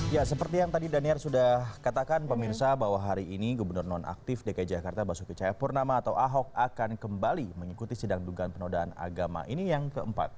ya seperti yang tadi daniel sudah katakan pemirsa bahwa hari ini gubernur nonaktif dki jakarta basuki cahayapurnama atau ahok akan kembali mengikuti sidang dugaan penodaan agama ini yang keempat